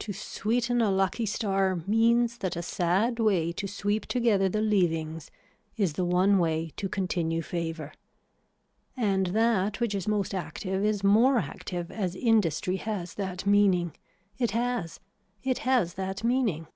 To sweeten a lucky star means that a sad way to sweep together the leavings is the one way to continue favor. And that which is most active is more active as industry has that meaning. It has. It has that meaning.